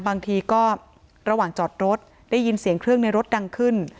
บางทีก็ระหว่างจอดรถได้ยินเสียงเครื่องในรถดังขึ้น